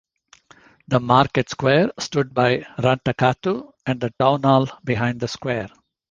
The market square stood by Rantakatu and the Town Hall behind the square.